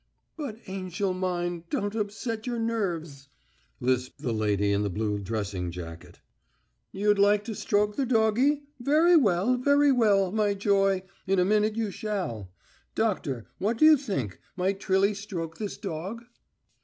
"But, angel mine, don't upset your nerves," lisped the lady in the blue dressing jacket. "You'd like to stroke the doggie? Very well, very well, my joy, in a minute you shall. Doctor, what do you think, might Trilly stroke this dog?"